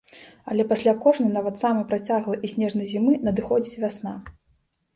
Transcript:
Але пасля кожнай, нават самай працяглай і снежнай зімы надыходзіць вясна.